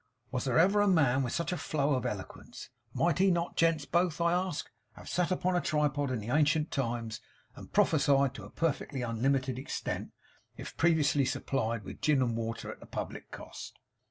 Was there ever a man with such a flow of eloquence? Might he not, gents both, I ask, have sat upon a tripod in the ancient times, and prophesied to a perfectly unlimited extent, if previously supplied with gin and water at the public cost?